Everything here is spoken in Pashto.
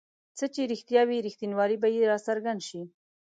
څه چې رښتیا وي رښتینوالی به یې راڅرګند شي.